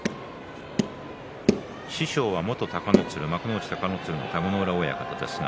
師匠は元隆の鶴の田子ノ浦親方です。